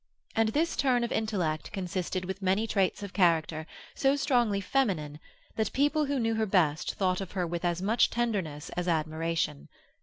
And this turn of intellect consisted with many traits of character so strongly feminine that people who knew her best thought of her with as much tenderness as admiration.